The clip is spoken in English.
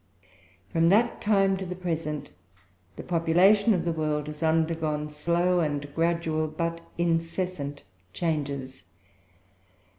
From that time to the present, the population of the world has undergone slow and gradual, but incessant, changes.